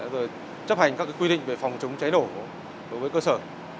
rồi chấp hành các quy định về phòng chống cháy nổ đối với cơ sở